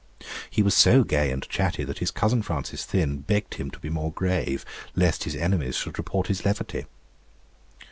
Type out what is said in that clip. He was so gay and chatty, that his cousin Francis Thynne begged him to be more grave lest his enemies should report his levity.